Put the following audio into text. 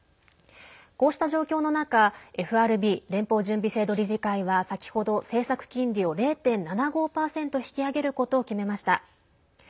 こうした状況の中ＦＲＢ＝連邦準備制度理事会は先ほど、政策金利を０．７５％引き上げることを決めました。